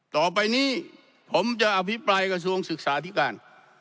ต่อไปนี้ผมจะอภิปรายกระทรวงศึกษาธิการ